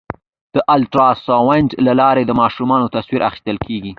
د الټراساونډ له لارې د ماشوم تصویر اخیستل کېږي.